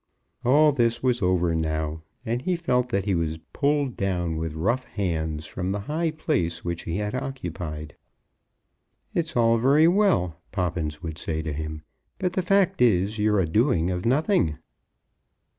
All this was over now, and he felt that he was pulled down with rough hands from the high place which he had occupied. "It's all very well," Poppins would say to him, "but the fact is, you're a doing of nothing."